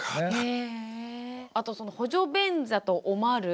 あとその補助便座とおまる